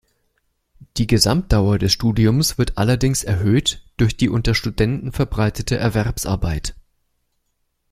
Die Gesamtdauer des Studiums wird allerdings erhöht durch die unter Studenten verbreitete Erwerbsarbeit.